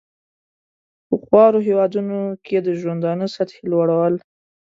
په خوارو هېوادونو کې د ژوندانه سطحې لوړول.